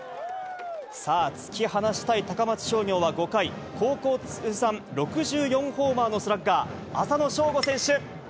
さあ、突き放したい高松商業は５回、高校通算６４ホーマーのスラッガー、浅野翔吾選手。